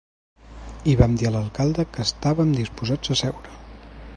I vam dir a l’alcalde que estàvem disposats a seure.